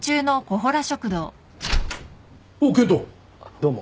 どうも。